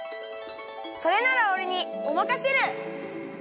それならおれにおまかシェル！